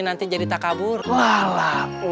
nanti jadi takabur lala